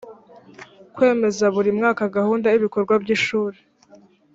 kwemeza buri mwaka gahunda y ibikorwa by ishuri